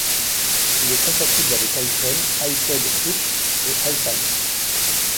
Il est compatible avec iPhone, iPod Touche et iPad.